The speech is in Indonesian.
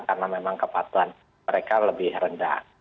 karena memang kepatuan mereka lebih rendah